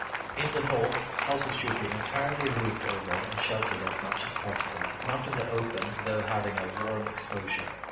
In the north, houses should be entirely roofed over and sheltered as much as possible, not in the open, though having a warm exposure.